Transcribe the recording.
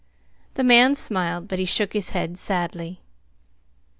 The man smiled, but he shook his head sadly.